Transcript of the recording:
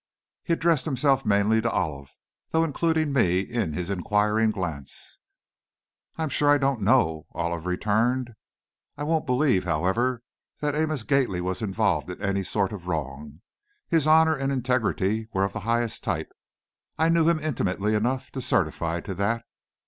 He addressed himself mainly to Olive, though including me in his inquiring glance. "I'm sure I don't know," Olive returned; "I won't believe, however, that Amos Gately was involved in any sort of wrong. His honor and integrity were of the highest type, I knew him intimately enough to certify to that."